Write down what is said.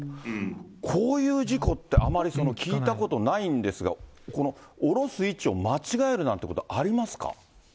こういう事故ってあまり聞いたことないんですが、この降ろす位置を間違えるなんてことありますか。